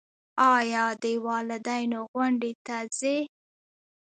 ایا د والدینو غونډې ته ځئ؟